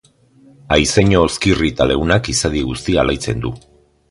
Haizeño hozkirri eta leunak izadi guztia alaitzen du.